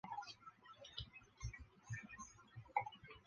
马斯基埃。